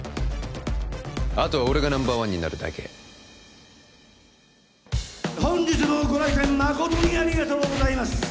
あとは俺がナンバーワンになるだけ本日もご来店誠にありがとうございます